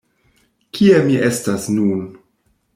Kie mi estas nun?